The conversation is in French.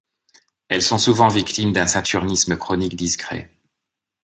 Elles sont souvent victimes d’un saturnisme chronique discret.